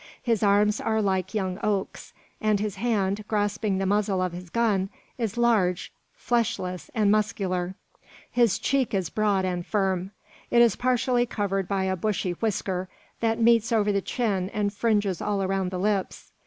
His arms are like young oaks, and his hand, grasping the muzzle of his gun, is large, fleshless, and muscular. His cheek is broad and firm. It is partially covered by a bushy whisker that meets over the chin and fringes all around the lips.